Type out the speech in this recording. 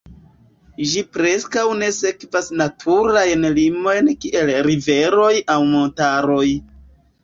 Ĝi preskaŭ ne sekvas naturajn limojn kiel riveroj aŭ montaroj.